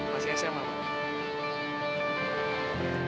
masih sma pak